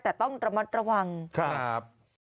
แต่ต้องระมัดระวังครับ